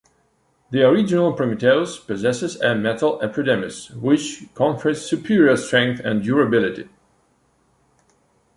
The original Prometheus possesses a metal epidermis, which confers superior strength and durability.